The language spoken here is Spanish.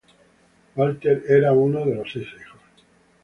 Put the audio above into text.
Walter era uno de seis hijos.